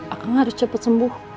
akang harus cepet sembuh